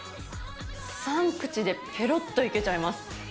３口でぺろっといけちゃいます。